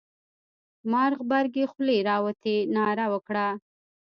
مار غبرگې خولې را وتې ناره وکړه.